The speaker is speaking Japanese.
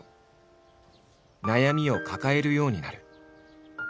悩みを抱えるようになる。